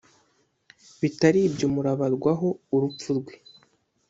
bitaribyo murabarwaho urupfu rwe"